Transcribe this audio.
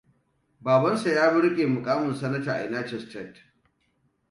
Babansa ya rike mukamin Sanata a United Stated.